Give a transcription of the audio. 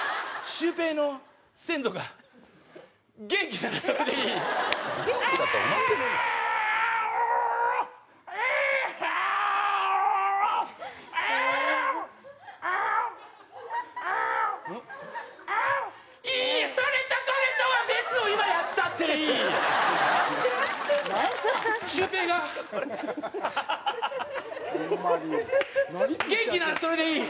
シュウペイが元気ならそれでいい。